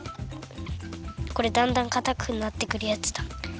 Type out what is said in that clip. これだんだんかたくなってくるやつだ。